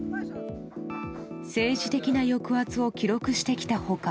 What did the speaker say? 政治的な抑圧を記録してきた他